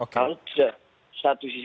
kalau tidak satu sisi